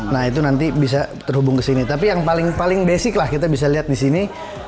nah itu nanti bisa terhubung kesini tapi yang paling basic lah kita bisa lihat disini